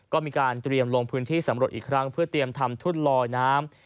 ก็มีการเตรียมลงพื้นที่สำรวจอีกครั้งเพื่อเตรียมทำทุ่นลอยน้ำ